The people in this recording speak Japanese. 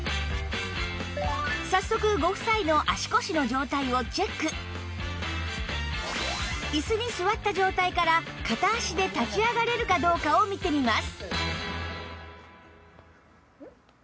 早速ご夫妻の椅子に座った状態から片足で立ち上がれるかどうかを見てみます